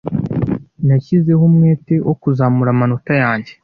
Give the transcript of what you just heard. Nashyizeho umwete wo kuzamura amanota yanjye.